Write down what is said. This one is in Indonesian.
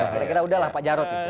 kira kira udahlah pak jarod itu